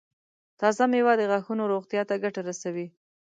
تازه مېوه د غاښونو روغتیا ته ګټه رسوي.